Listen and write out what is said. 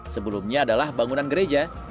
sebelumnya adalah bangunan gereja